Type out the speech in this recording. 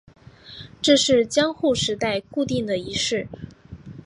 这是江户时代固定的仪式。